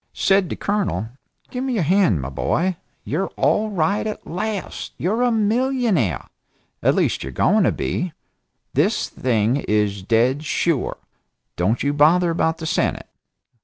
Said the Colonel: "Give me your hand, my boy! You're all right at last! You're a millionaire! At least you're going to be. The thing is dead sure. Don't you bother about the Senate.